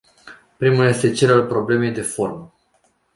Primul este cel al problemei de formă.